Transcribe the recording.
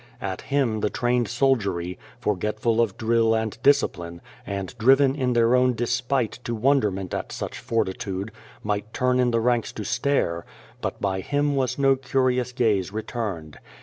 At Him the trained soldiery, forgetful of drill and discipline, and driven in their own despite to wonderment at such fortitude, might turn in the ranks to stare, but by Him was no curious gaze returned.